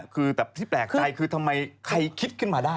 คือแต่ที่แปลกใจคือทำไมใครคิดขึ้นมาได้